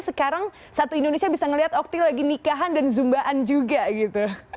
sekarang satu indonesia bisa ngeliat okti lagi nikahan dan zumbaan juga gitu